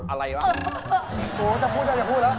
อะไรล่ะเออโหจะพูดแล้วอะไรออกเถอะ